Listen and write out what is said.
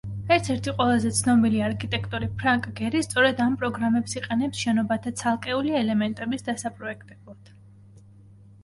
ერთ-ერთი ყველაზე ცნობილი არქიტექტორი ფრანკ გერი სწორედ ამ პროგრამებს იყენებს შენობათა ცალკეული ელემენტების დასაპროექტებლად.